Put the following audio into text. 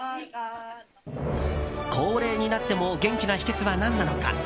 高齢になっても元気な秘訣は何なのか？